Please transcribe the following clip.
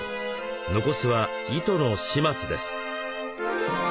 残すは糸の始末です。